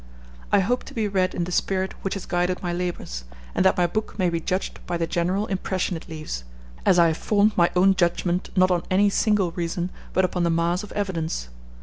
I hope to be read in the spirit which has guided my labors, and that my book may be judged by the general impression it leaves, as I have formed my own judgment not on any single reason, but upon the mass of evidence.